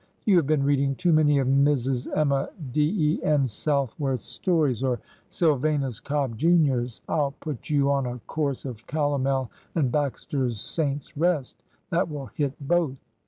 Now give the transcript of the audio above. You have been reading too many of Mrs. Emma D. E. N. Southworth's stories, or Sylvanus Cobb, Jr.'s. I 'll put you on a course of calomel and Baxter's ' Saints' Rest.' That will hit both!"